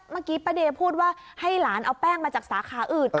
เมื่อกี้ป้าเดย์พูดว่าให้หลานเอาแป้งมาจากสาขาอื่น